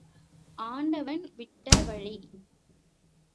ஆண்டவன் விட்ட வழி.